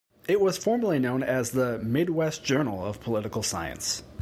It was formerly known as the "Midwest Journal of Political Science".